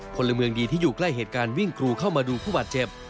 พลเมืองดีที่อยู่ใกล้เหตุการณ์วิ่งกรูเข้ามาดูผู้บาดเจ็บ